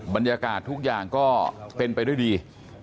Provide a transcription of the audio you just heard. บรรยากาศทุกอย่างก็เป็นไปด้วยดี